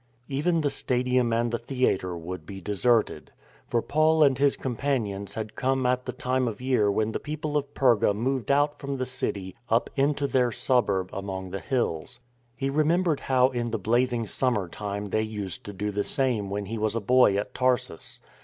Even the stadium and the theatre would be deserted. For Paul and his companions had come at the time of year when the people of Perga moved out from the city up into their suburb among the hills. He re membered how in the blazing summer time they used to do the same when he was a boy at Tarsus.